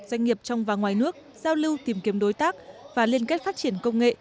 doanh nghiệp trong và ngoài nước giao lưu tìm kiếm đối tác và liên kết phát triển công nghệ